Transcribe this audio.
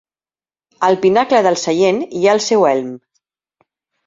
Al pinacle del seient hi ha el seu elm.